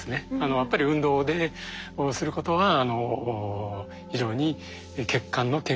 やっぱり運動をすることは非常に血管の健康を保つ。